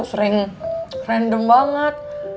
sering random banget